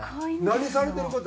何されてる方？